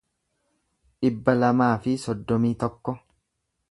dhibba lamaa fi soddomii tokko